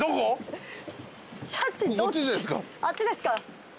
あっちですか？